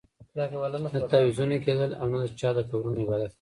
نه تعویذونه کېدل او نه چا د قبرونو عبادت کاوه.